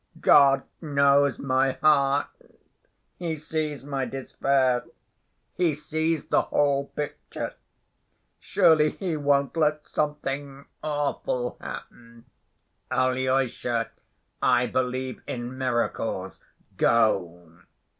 God knows my heart. He sees my despair. He sees the whole picture. Surely He won't let something awful happen. Alyosha, I believe in miracles. Go!"